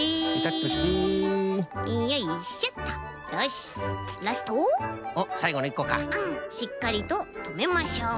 しっかりととめましょう。